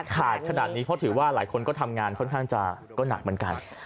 ขาดขนาดนี้เพราะถือว่าหลายคนก็ทำงานค่อนข้างจะก็หนักเหมือนกัน